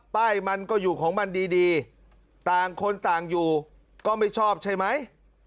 ป้ายมันก็อยู่ของมันดีต่างคนต่างอยู่ก็ไม่ชอบใช่ไหม